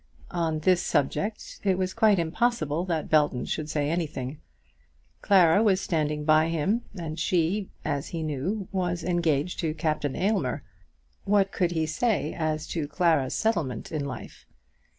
On this subject it was quite impossible that Belton should say anything. Clara was standing by him, and she, as he knew, was engaged to Captain Aylmer. So circumstanced, what could he say as to Clara's settlement in life?